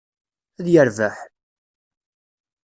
Ad yerbeḥ?